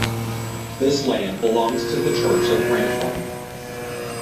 This land belongs to the church of Grantham.